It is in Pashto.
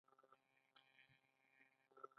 بولاني له کچالو ډکیږي که ګندنه؟